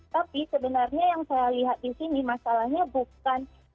tapi sebenarnya yang saya lihat di sini masalahnya bukan